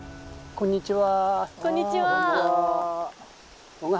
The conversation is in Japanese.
こんにちは。